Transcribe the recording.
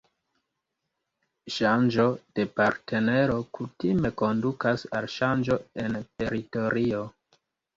Ŝanĝo de partnero kutime kondukas al ŝanĝo en teritorio.